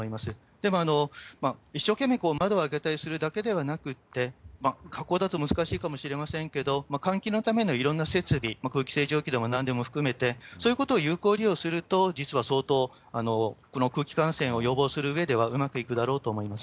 でも、一生懸命、窓を開けたりするだけではなくて、学校だと難しいかもしれませんけれども、換気のためのいろんな設備、空気清浄機でもなんでも含めて、そういうことを有効利用すると、実は相当、この空気感染を予防するうえでは、うまくいくだろうと思います。